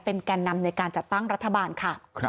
แก่นนำในการจัดตั้งรัฐบาลค่ะ